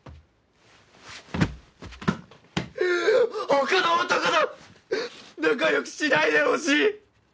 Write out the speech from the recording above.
他の男と仲良くしないでほしい！